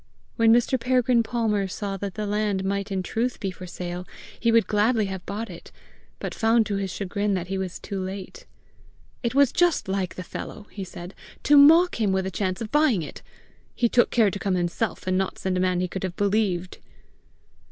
When Mr. Peregrine Palmer saw that the land might in truth be for sale, he would gladly have bought it, but found to his chagrin that he was too late. It was just like the fellow, he said, to mock him with the chance of buying it! He took care to come himself, and not send a man he could have believed!